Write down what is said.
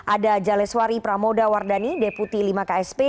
ada jaleswari pramoda wardani deputi lima ksp